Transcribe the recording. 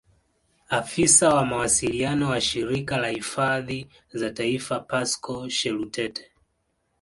Afisa wa mawasiliano wa Shirika la Hifadhi za Taifa Pascal Shelutete